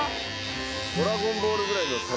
ドラゴンボールぐらいの玉。